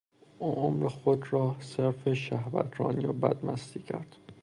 او عمر خود را صرف شهوترانی و بدمستی کرد.